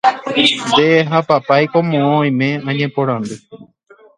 nde ha papáiko moõ oime añeporandu